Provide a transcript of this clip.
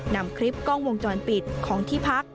นำคลิปกล้องวงจรปิดของที่พัก